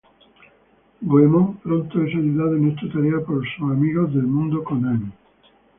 Goemon pronto es ayudado en esta tarea por sus amigos del Mundo Konami.